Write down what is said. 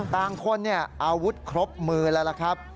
ต่างคนอาวุธครบมือแล้วล่ะครับ